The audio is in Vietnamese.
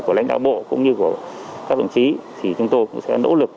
của lãnh đạo bộ cũng như của các đồng chí thì chúng tôi cũng sẽ nỗ lực